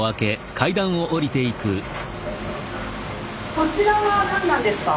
こちらは何なんですか？